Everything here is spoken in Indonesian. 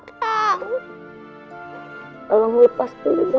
tolong lepas dulu